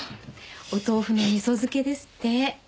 お豆腐の味噌漬けですって。